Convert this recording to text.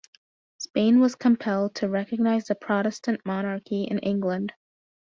Spain was compelled to recognise the Protestant monarchy in England.